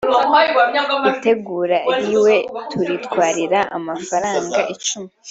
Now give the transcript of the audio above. itegura riwe turitwarira amafaranga icumi